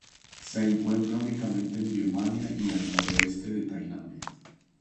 Se encuentra únicamente en Birmania y el noroeste de Tailandia.